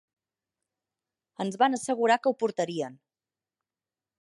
Ens van assegurar que ho portarien.